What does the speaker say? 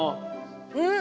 うん！